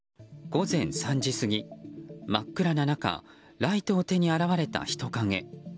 午前３時過ぎ、真っ暗な中ライトを手に現れた人影。